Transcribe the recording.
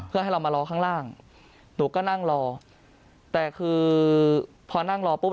เพื่อให้เรามารอข้างล่างหนูก็นั่งรอแต่คือพอนั่งรอปุ๊บ